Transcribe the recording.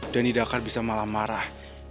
dhani dakar bisa malah marah